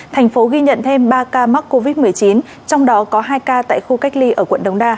thành phố ghi nhận thêm ba ca mắc covid một mươi chín trong đó có hai ca tại khu cách ly ở quận đống đa